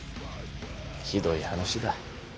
ひどい話だ。